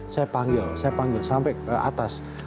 saya panggil sampai ke atas